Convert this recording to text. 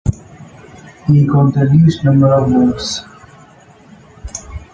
He got the least number of votes.